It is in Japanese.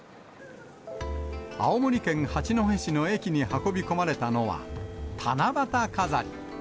青森県八戸市の駅に運び込まれたのは、七夕飾り。